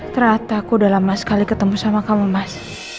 ternyata aku udah lama sekali ketemu sama kamu mas